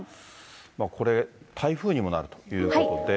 これ、台風にもなるということで。